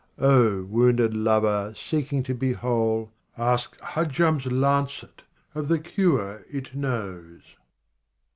O wounded lover, seeking to be whole. Ask Hajjam's * lancet of the cure it knows.'